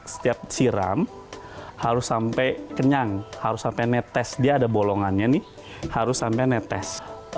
setiap siram harus sampai kenyang harus sampai netes dia ada bolongannya nih harus sampai netes